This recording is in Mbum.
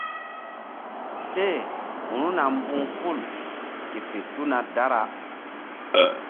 Seru̧na mbu̧h ful ke fe tuna dara.